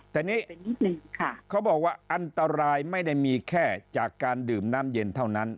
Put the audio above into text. แต่นี่เขาบอกว่าอันตรายไม่ได้มีแค่จากการดื่มน้ำเย็นเท่านั้น